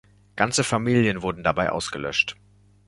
Ganze Familien wurden dabei ausgelöscht.